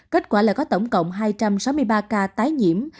kết quả lại có tổng cộng hai trăm sáu mươi ba ca tái nhiễm